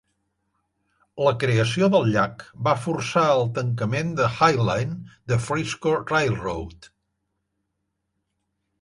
La creació del llac va forçar el tancament de "Highline" de Frisco Railroad.